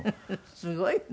すごいね。